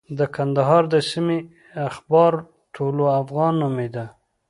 د کندهار د سیمې اخبار طلوع افغان نومېده.